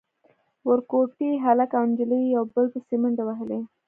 ورکوټي هلک او نجلۍ يو بل پسې منډې وهلې.